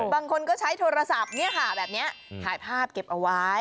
บางคนก็ใช้โทรศัพท์แบบนี้ถ่ายภาพเก็บเอาไว้